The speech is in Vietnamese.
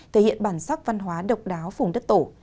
thể hiện bản sắc văn hóa độc đáo vùng đất tổ